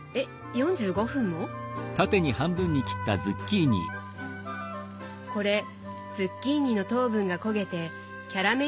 ４５分も⁉これズッキーニの糖分が焦げてキャラメリゼされるんですって！